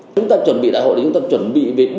chúng ta chuẩn bị đại hội là chúng ta chuẩn bị về đường lối